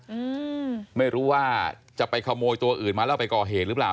อืมไม่รู้ว่าจะไปขโมยตัวอื่นมาแล้วไปก่อเหตุหรือเปล่า